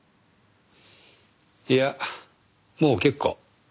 いやもう結構。